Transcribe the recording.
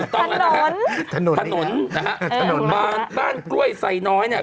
ถนนนะครับถนนถนนนะครับบ้านกล้วยไซน้อยเนี่ย